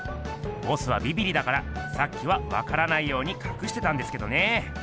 ボスはびびりだからさっきはわからないようにかくしてたんですけどね。